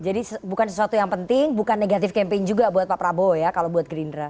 jadi bukan sesuatu yang penting bukan negatif campaign juga buat pak prabowo ya kalau buat gerindra